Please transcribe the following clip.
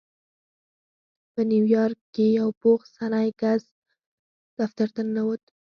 په نيويارک کې يو پوخ سنی کس دفتر ته ننوت.